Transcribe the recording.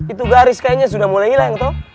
itu garis kayaknya sudah mulai hilang tuh